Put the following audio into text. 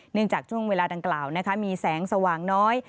จากช่วงเวลาดังกล่าวมีแสงสว่างน้อย